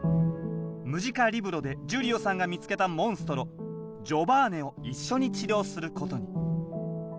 ムジカリブロでジュリオさんが見つけたモンストロジョバーネを一緒に治療することに。